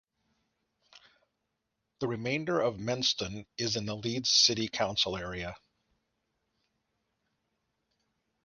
The remainder of Menston is in the Leeds City Council area.